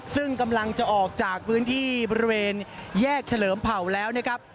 ซึ่งกำลังจะออกจากพื้นที่บริเวณแยกเฉลิมเผ่าแล้วนะครับ